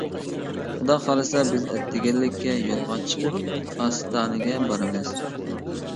خۇدا خالىسا بىز ئەتىگەنلىككە يولغا چىقىپ ئاستانىگە بارىمىز.